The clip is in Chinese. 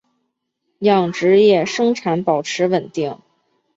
养殖业生产保持稳定。